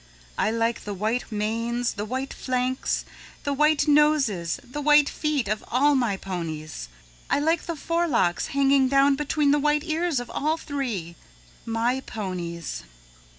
I like the white manes, the white flanks, the white noses, the white feet of all my ponies. I like the forelocks hanging down between the white ears of all three my ponies."